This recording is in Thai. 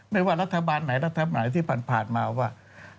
ไม่ว่ารัฐบาลไหนรัฐบาลไหนที่ผ่านมาว่า